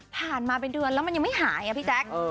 ผ่านมาเป็นเดือนแล้วมันยังไม่หายอะพี่แจ๊ค